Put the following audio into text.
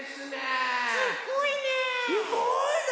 すごいね！